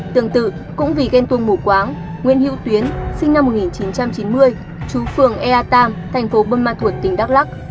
tương tự cũng vì ghen tuông mù quáng nguyễn hữu tuyến sinh năm một nghìn chín trăm chín mươi chú phường ea tam thành phố buôn ma thuột tỉnh đắk lắc